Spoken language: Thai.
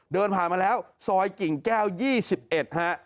เดินผ่านมาแล้วซอยกิ่งแก้ว๒๑ฮะ